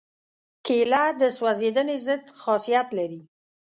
کېله د سوځېدنې ضد خاصیت لري.